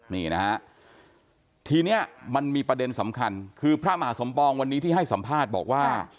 นี่นะฮะทีนี้มันมีประเด็นสำคัญคือพระมหาสมปองวันนี้ที่ให้สัมภาษณ์บอกว่า